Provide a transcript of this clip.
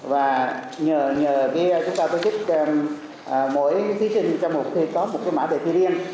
và nhờ chúng ta tổ chức mỗi thí sinh trong một phòng thi có một cái mã đề thi riêng